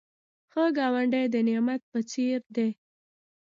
ښه ګاونډی د نعمت په څېر دی